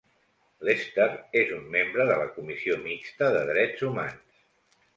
Lester és un membre de la Comissió Mixta de Drets Humans.